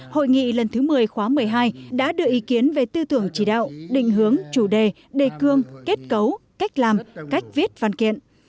hội nghị lần thứ một mươi khóa một mươi hai đã đưa ý kiến về tư tưởng chỉ đạo định hướng chủ đề đề cương kết cấu cách làm cách viết văn kiện